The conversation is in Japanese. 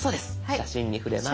「写真」に触れます。